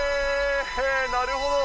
なるほど。